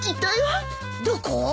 どこ？